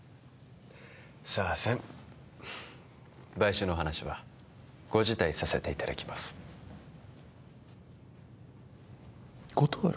さあせん買収の話はご辞退させていただきます断る？